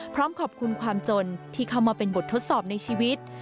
พร้อมขอบคุณความจนที่เข้ามาเป็นบททดสอบในชีวิต